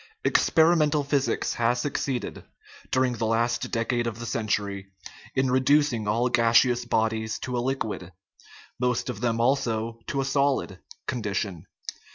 Experimental physics has succeeded, during the last decade of the century, in reducing all gaseous bodies to a liquid most of them, also, to a solid con dition.